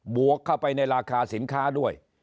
วกเข้าไปในราคาสินค้าด้วย